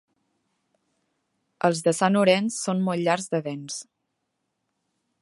Els de Sant Orenç són molt llargs de dents.